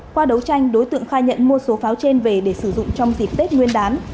qua đấu tranh đối tượng khai nhận mua số pháo trên về để sử dụng trong dịp tết nguyên đán